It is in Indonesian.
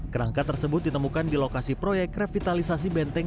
kerangka tersebut ditemukan di lokasi proyek revitalisasi benteng